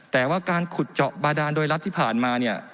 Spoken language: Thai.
แต่ว่าการขุดเจาะบาดานโดยรัฐที่ผ่านมาเนี่ย